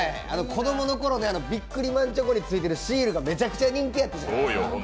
子供のころ、ビックリマンチョコについているシールがめちゃくちゃ人気やったじゃないですか。